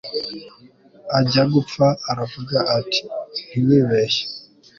ajya gupfa aravuga ati ntiwibeshye